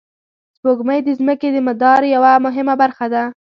سپوږمۍ د ځمکې د مدار یوه مهمه برخه ده